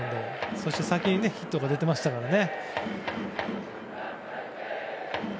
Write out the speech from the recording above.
そして先にヒットが出てましたからね。